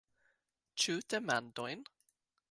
Ĉu demandojn?